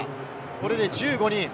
これで１５人。